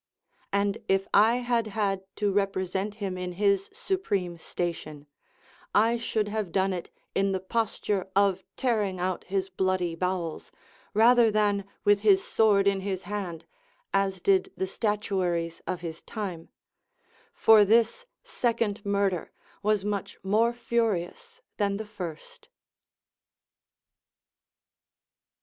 And if I had had to represent him in his supreme station, I should have done it in the posture of tearing out his bloody bowels, rather than with his sword in his hand, as did the statuaries of his time, for this second murder was much more furious than the first.